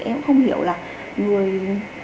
thì em cũng không hiểu là người sử dụng hình ảnh của em